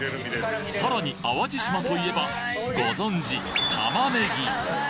さらに淡路島といえばご存じ玉ねぎ！